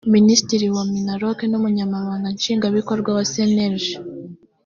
minisitiri wa minaloc n umunyamabanga nshingwabikorwa wa cnlg